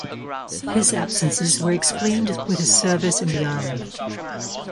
His absences were explained with his service in the army.